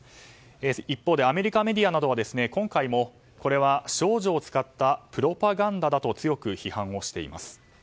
一方でアメリカメディアなどは今回もこれは少女を使ったプロパガンダだと強く批判をしています。